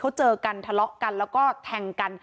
เขาเจอกันทะเลาะกันแล้วก็แทงกัน